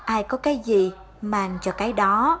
ai có cái gì mang cho cái đó